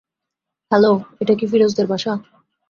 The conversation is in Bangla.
হ্যালো, এটা কি ফিরোজদের বাসা?